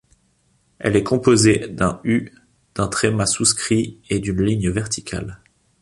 Elle est composée d’un U, d’un tréma souscrit et d’un ligne verticale.